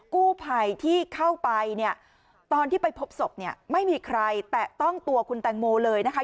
กู้ภัยที่เข้าไปเนี่ยตอนที่ไปพบศพเนี่ยไม่มีใครแตะต้องตัวคุณแตงโมเลยนะคะ